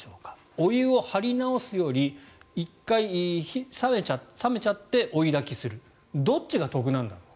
お湯を張り直すより１回、冷めちゃって追いだきするどっちが得なのか。